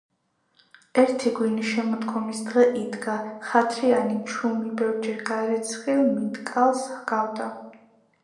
ერთი გვინი შემოდგომის დღე იდგა, ხათრიანი, ჩუმი, ბევრჯერ გარეცხილ მიტკალს ჰგავდა.